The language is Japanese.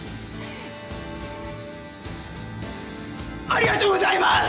ありがとうございます。